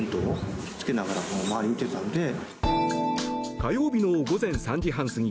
火曜日の午前３時半過ぎ